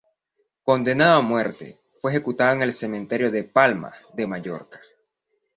Condenado a muerte, fue ejecutado en el cementerio de Palma de Mallorca.